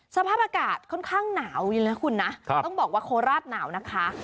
สภาพอากาศค่อนข้างหนาวอยู่นะคุณนะต้องบอกว่าโคราชหนาวนะคะ